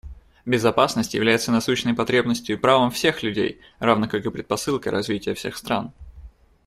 Безопасность является насущной потребностью и правом всех людей, равно как предпосылкой развития всех стран.